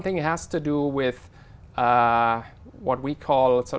trong một tàu tàu